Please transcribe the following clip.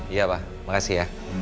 iya pak makasih ya